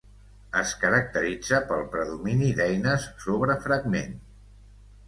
Es caracteritza pel predomini d'eines sobre fragment.